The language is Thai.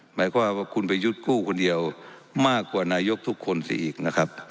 หมายความว่าคุณประยุทธ์กู้คนเดียวมากกว่านายกทุกคนเสียอีกนะครับ